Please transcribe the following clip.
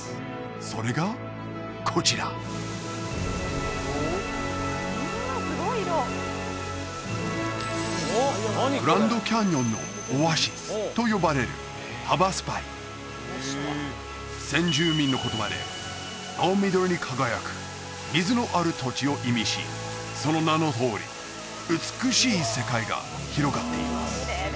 それがこちらグランドキャニオンのオアシスと呼ばれる先住民の言葉で青緑に輝く水のある土地を意味しその名のとおり美しい世界が広がっています